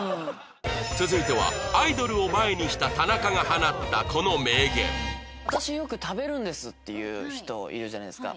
続いてはアイドルを前にした田中が放ったこの名言って言う人いるじゃないですか。